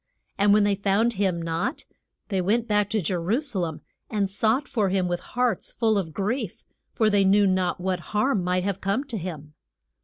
] And when they found him not, they went back to Je ru sa lem, and sought for him with hearts full of grief, for they knew not what harm might have come to him.